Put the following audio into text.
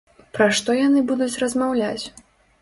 Пра што яны будуць размаўляць?